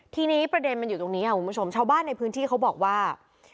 ทีนี้ประเด็นมันอยู่ตรงนี้ค่ะคุณผู้ชมชาวบ้านในพื้นที่เขาบอกว่า